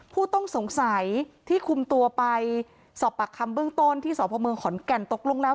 ผู้ต้องสงสัยที่คุมตัวไปสอบปากคำเบื้องต้นที่สพเมืองขอนแก่นตกลงแล้ว